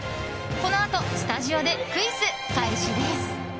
このあとスタジオでクイズ開始です。